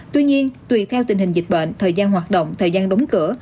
tuy nhiên tùy theo tình hình dịch bệnh thời gian hoạt động thời gian đóng cửa